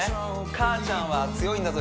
母ちゃんは強いんだぞ